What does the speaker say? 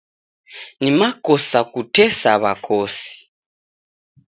Ni makosa kutesa w'akosi.